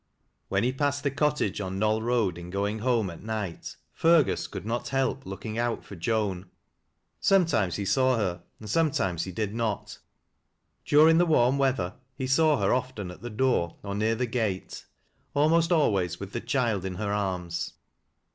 When he passed the cottage on the Knoll E,oad in going home at night, Fergus ^ould not help looking out foi Joan. Scmetimes he saw her, and scnietimes he did not 6b ' "THAT LASH 0' LO WRISTS. Duriug the warm weather, he saw her often at the door or near the gate; almost always with the child in hei arms.